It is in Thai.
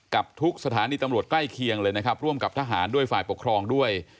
กับทุกสถานีตำรวจใกล้เคียงเลยนะครับร่วมกับทหารด้วยฝ่ายปกครองด้วย